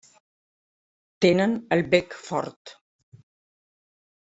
Tenen el bec fort.